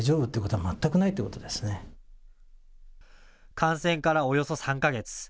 感染からおよそ３か月。